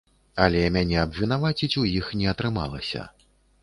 Але мяне абвінаваціць у іх не атрымалася.